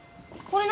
これ。